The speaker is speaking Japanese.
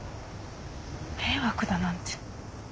迷惑だなんて。